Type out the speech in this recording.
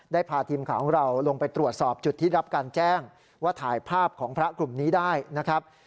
พาทีมข่าวของเราลงไปตรวจสอบจุดที่รับการแจ้งว่าถ่ายภาพของพระกลุ่มนี้ได้นะครับ